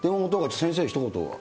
先生、ひと言。